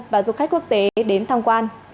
và du khách quốc tế đến tham quan